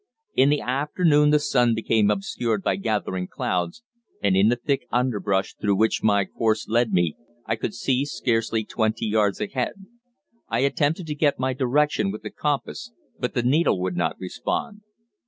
In the afternoon the sun became obscured by gathering clouds, and in the thick underbrush through which my course led me I could see scarcely twenty yards ahead. I attempted to get my direction with the compass, but the needle would not respond.